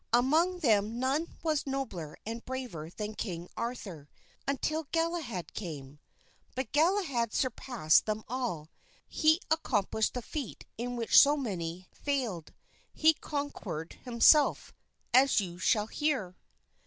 Among them none was nobler and braver than King Arthur, until Galahad came; but Galahad surpassed them all, because he accomplished the feat in which so many failed he conquered himself, as you shall hear.